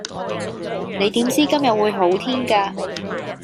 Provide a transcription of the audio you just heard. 你點知今日會好天㗎